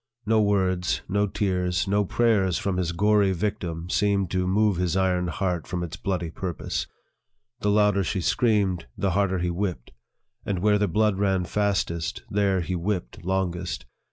No words, no tears, no prayers, from his gory victim, seemed to move his iron heart from its bloody purpose. The louder she screamed, the harder he whipped ; and where the blood ran fastest, there he whipped longest.